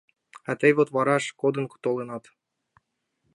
— А тый вот вараш кодын толынат.